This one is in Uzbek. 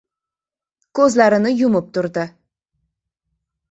Ko‘zlarini yumib turdi.